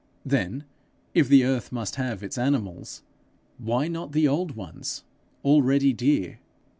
Then, if the earth must have its animals, why not the old ones, already dear?